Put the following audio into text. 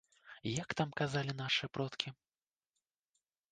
Як там казалі нашы продкі?